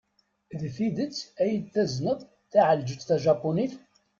D tidet ad yi-d-tazneḍ taɛelǧett tajapunit?